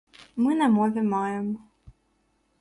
Мы на мове маем.